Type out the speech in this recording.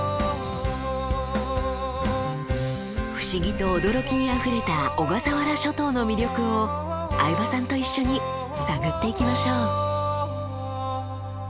不思議と驚きにあふれた小笠原諸島の魅力を相葉さんと一緒に探っていきましょう。